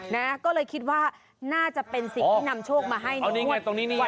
นะก็เลยคิดว่าน่าจะเป็นสิ่งที่นำโชคมาให้หน่อยตรงนี้นี่